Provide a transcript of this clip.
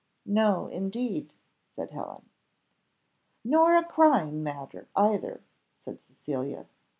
"No indeed," said Helen. "Nor a crying matter either," said Cecilia.